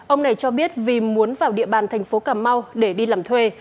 ông này cho biết vì muốn vào địa bàn thành phố cà mau để đi làm thuê